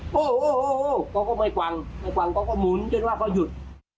โอ้โหโอ้โหโอ้โหก็ไม่กวังก็หมุนยังว่าเขาหยุด